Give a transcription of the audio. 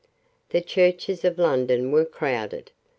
The churches of London were crowded.